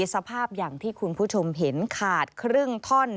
สภาพอย่างที่คุณผู้ชมเห็นขาดครึ่งท่อน